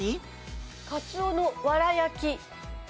カツオのわら焼き。